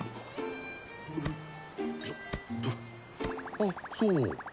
あっそう。